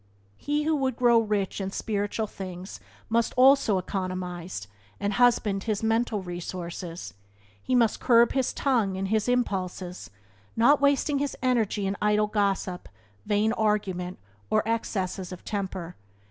He who would grow rich in spiritual things must also economize, and husband his mental resources. He must curb his tongue and his impulses, not wasting his energy in idle gossip, vain argument, or excesses of temper.